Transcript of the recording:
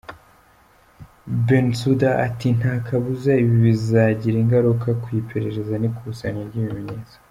Bensouda Ati “Nta kabuza ibi bizagira ingaruka ku iperereza n’ikusanya ry’ibimenyetso.